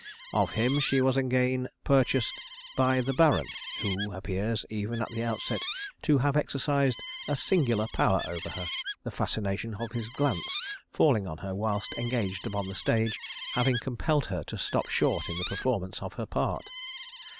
Of him she was again purchased by the Baron, who appears, even at the outset, to have exercised a singular power over her, the fascination of his glance falling on her whilst engaged upon the stage, having compelled her to stop short in the performance of her part.